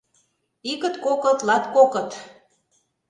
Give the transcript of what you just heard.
Иктыт-коктыт, латкокыт